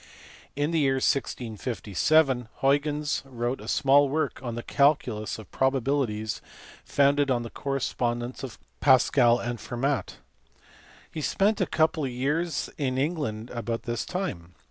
In the year, 1657, Huygens wrote a small work on the calculus of probabilities founded on the correspondence of Pascal and Fermat. He spent a couple of years in England about this time.